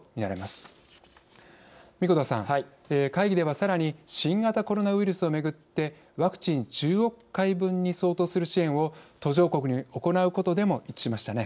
子田さん会議ではさらに新型コロナウイルスをめぐってワクチン１０億回分に相当する支援を途上国に行うことでも一致しましたね。